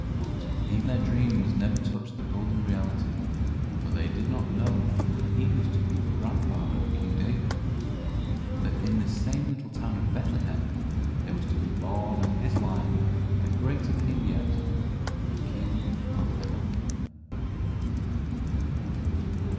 But even their dreams never touched the golden reality, for they did not know that he was to be the grandfather of King David, that in this same little town of Bethlehem there was to be born of his line a greater King yet, the King of Heaven.